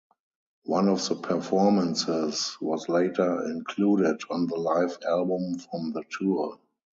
One of the performances was later included on the live album from the tour.